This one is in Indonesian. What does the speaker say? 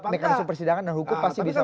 mekanisme persidangan dan hukum pasti bisa